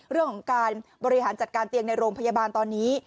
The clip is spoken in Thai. เรื่องของการบริหารจัดการเตียงในโรงพยาบาลตอนนี้